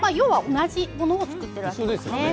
同じものを作っているわけですね。